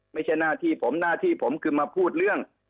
ไม่ใช่หน้าที่ผมหน้าที่ผมคือมาพูดเรื่อง